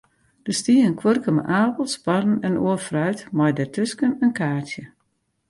Der stie in kuorke mei apels, parren en oar fruit, mei dêrtusken in kaartsje.